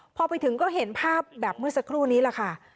พอไปถึงก็เห็นภาพแบบเมื่อสักครู่นี้แหละค่ะ